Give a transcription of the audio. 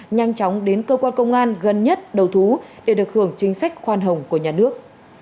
nhanh chóng đến cơ quan công an gần nhất đầu thú để được hưởng chính sách khoan hồng của nhà nước